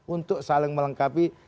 untuk saling melengkapi